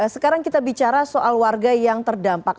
sekarang kita bicara soal warga yang terdampak